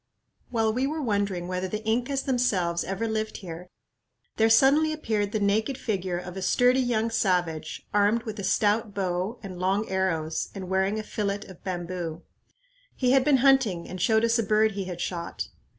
While we were wondering whether the Incas themselves ever lived here, there suddenly appeared the naked figure of a sturdy young savage, armed with a stout bow and long arrows, and wearing a fillet of bamboo. He had been hunting and showed us a bird he had shot.